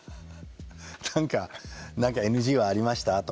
「何かＮＧはありました？」とかさ